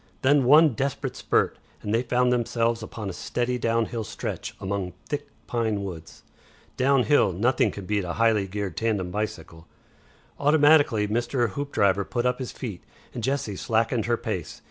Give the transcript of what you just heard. Then one desperate spurt, and they found themselves upon a steady downhill stretch among thick pine woods. Downhill nothing can beat a highly geared tandem bicycle. Automatically Mr. Hoopdriver put up his feet, and Jessie slackened her pace.